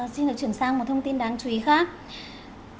xin được chuyển sang một thông tin đáng chú ý khác